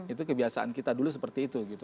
itu kebiasaan kita dulu seperti itu gitu